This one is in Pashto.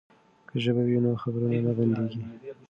که ژبه وي نو خبرې نه بندیږي.